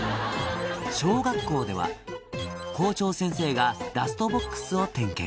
小学校では校長先生がダストボックスを点検